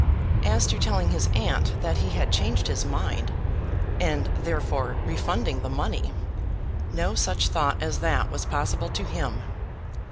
As to telling his aunt that he had changed his mind, and, therefore, refunding the money no such thought as that was possible to him!